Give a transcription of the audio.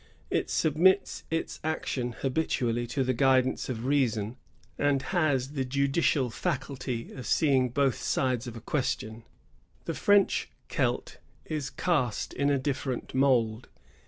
It submits its action habitually to the guidance of reason, and has the judicial faculty of seeing both sides of a question. The French Celt is cast in a different mould.